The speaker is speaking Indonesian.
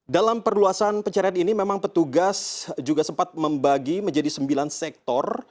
dalam perluasan pencarian ini memang petugas juga sempat membagi menjadi sembilan sektor